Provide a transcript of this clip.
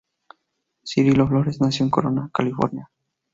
Cirilo Flores nació en Corona, California.